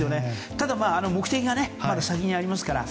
ただ、目的がまだ先にありますから。